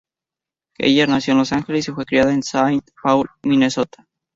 Keller nació en Los Ángeles y fue criada en Saint Paul, Minnesota.